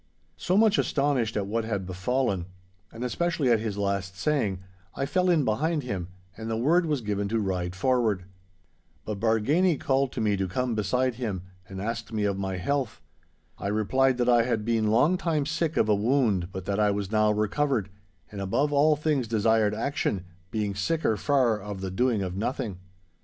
So, much astonished at what had befallen, and especially at his last saying, I fell in behind him, and the word was given to ride forward. But Bargany called me to come beside him, and asked me of my health. I replied that I had been long time sick of a wound, but that I was now recovered, and above all things desired action, being sicker far of the doing of nothing.